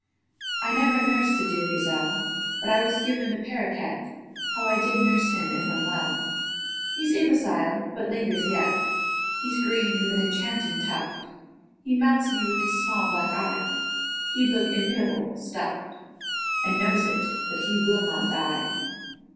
I never nursed a dear gazelle; But I was given a parroquet— (How I did nurse him if unwell!) He's imbecile, but lingers yet. He's green, with an enchanting tuft; He melts me with his small black eye: He'd look inimitable stuff'd, And knows it—but he will not die!